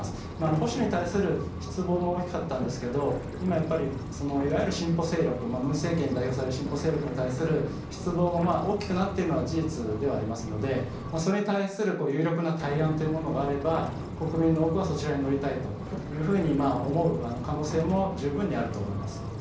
保守に対する失望も大きかったんですけど今、やっぱりいわゆる進歩勢力文在寅政権に代表される進歩勢力に対する失望も大きくなっているのは事実ですのでそれに対する有力な対案があれば国民の多くはそちらに乗りたいと思う可能性も十分にあると思います。